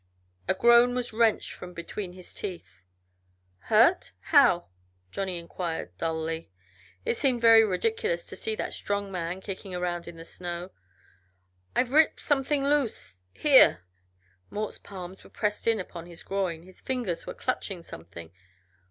A groan was wrenched from between his teeth. "Hurt? How?" Johnny inquired, dully. It seemed very ridiculous to see that strong man kicking around in the snow. "I've ripped something loose here." Mort's palms were pressed in upon his groin, his fingers were clutching something.